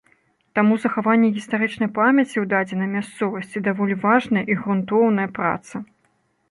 Таму захаванне гістарычнай памяці ў дадзенай мясцовасці даволі важная і грунтоўная праца.